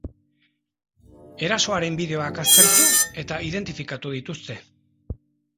Erasoaren bideoak aztertu eta identifikatu dituzte.